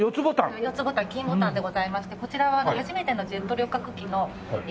四つボタン金ボタンでございましてこちらは初めてのジェット旅客機のＤＣー８という飛行機が。